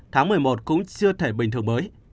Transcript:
tháng một mươi một cũng chưa thể bình thường mới